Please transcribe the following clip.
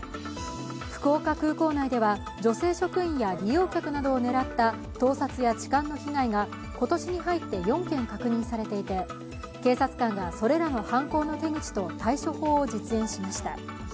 福岡空港内では女性職員や利用客を狙った盗撮や痴漢の被害が今年に入って４件確認されていて警察官がそれらの犯行の手口と対処法を実演しました。